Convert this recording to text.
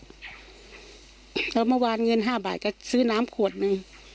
แล้วเมื่อวานเงิน๕บาทก็ซื้อน้ำขวดนึง